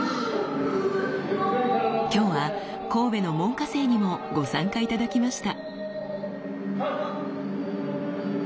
今日は神戸の門下生にもご参加頂きました。